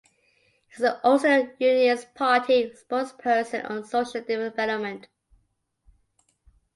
He is the Ulster Unionist Party spokesperson on Social Development.